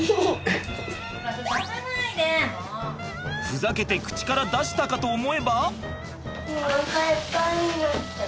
ふざけて口から出したかと思えば。